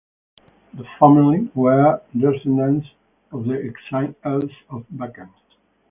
The family were descendants of the Erskine Earls of Buchan.